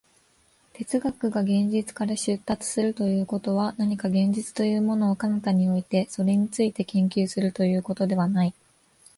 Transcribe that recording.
哲学が現実から出立するということは、何か現実というものを彼方に置いて、それについて研究するということではない。